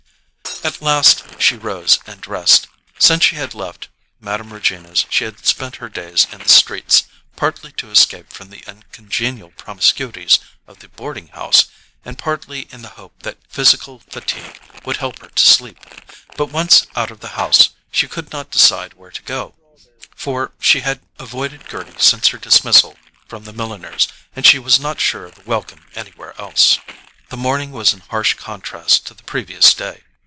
At length she rose and dressed. Since she had left Mme. Regina's she had spent her days in the streets, partly to escape from the uncongenial promiscuities of the boarding house, and partly in the hope that physical fatigue would help her to sleep. But once out of the house, she could not decide where to go; for she had avoided Gerty since her dismissal from the milliner's, and she was not sure of a welcome anywhere else. The morning was in harsh contrast to the previous day.